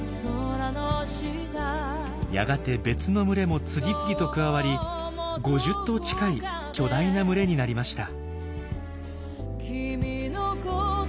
やがて別の群れも次々と加わり５０頭近い巨大な群れになりました。